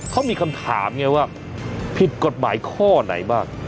เขามีคำถามไงว่าผิดกฎหมายข้อไหนบ้าง